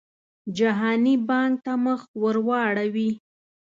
جهاني بانک ته مخ ورواړوي.